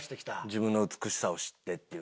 「自分の美しさを知って」っていう。